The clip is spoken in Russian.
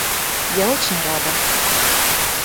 Я очень рада!